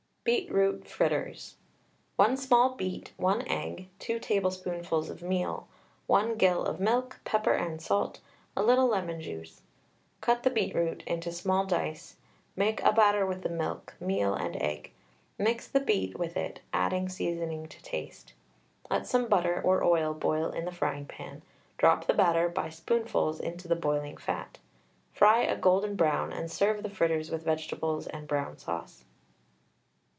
BEETROOT FRITTERS. 1 small beet, 1 egg, 2 tablespoonfuls of meal, 1 gill of milk, pepper and salt, a little Lemon juice. Cut the beetroot into small dice, make a batter with the milk, meal, and egg, mix the beet with it, adding seasoning to taste. Let some butter or oil boil in the frying pan, drop the batter by spoonfuls into the boiling fat; fry a golden brown, and serve the fritters with vegetables and brown sauce.